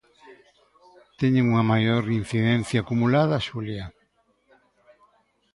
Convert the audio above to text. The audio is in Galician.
Teñen unha maior incidencia acumulada, Xulia.